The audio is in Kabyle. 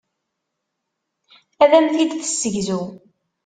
Ad am-t-id-tessegzu.